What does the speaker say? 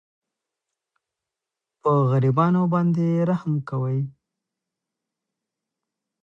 په غریبانو باندې رحم کوئ.